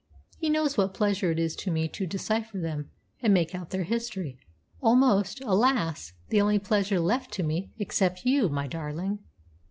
He knows what pleasure it is to me to decipher them and make out their history almost, alas! the only pleasure left to me, except you, my darling."